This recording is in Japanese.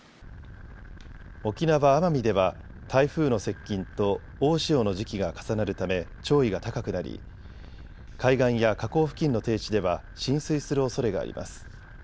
沖縄・奄美では台風の接近と大潮の時期が重なるため潮位が高くなり海岸や河口付近の低地では浸水するおそれがあります。